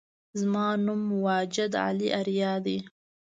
زما نوم واجد علي آریا دی